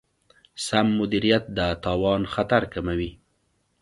سم مدیریت د تاوان خطر کموي.